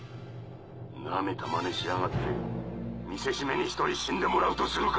なめたマネしやがって見せしめに１人死んでもらうとするか！